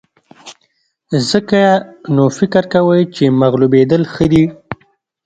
ځکه نو فکر کوئ چې مغلوبېدل ښه دي.